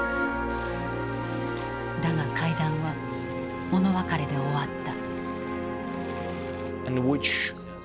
だが会談は物別れで終わった。